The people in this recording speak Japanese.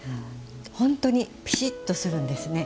本当にピシッとするんですね。